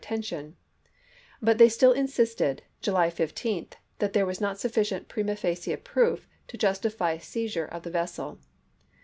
attention; but they still insisted, July 15th, that there was not sn^cient prima facie proof to justify the seizui'e of the vessel.